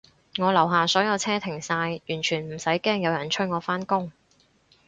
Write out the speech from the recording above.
我樓下所有車停晒，完全唔使驚有人催我返工